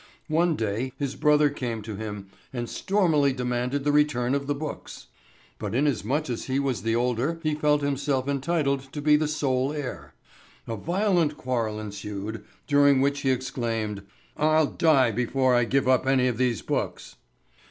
One day his brother came to him and stormily demanded the return of the books. But inasmuch as he was the older he felt himself entitled to be the sole heir. A violent quarrel ensued, during which he exclaimed: "I'll die before I give up any of these books!"